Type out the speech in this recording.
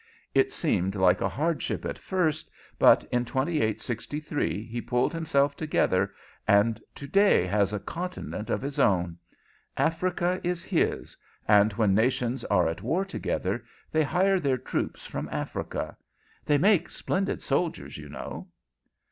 It seemed like a hardship at first, but in 2863 he pulled himself together, and to day has a continent of his own. Africa is his, and when nations are at war together they hire their troops from Africa. They make splendid soldiers, you know."